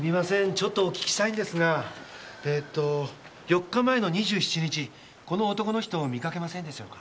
ちょっとお聞きしたいんですがえっと４日前の２７日この男の人見かけませんでしょうか？